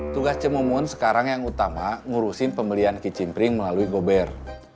tugas cemumun sekarang yang utama ngurusin pembelian kicim pring melalui gober